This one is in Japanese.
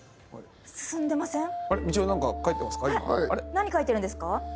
何描いてるんですか？